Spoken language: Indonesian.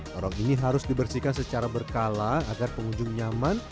lorong ini harus dibersihkan secara berkala agar pengunjung nyaman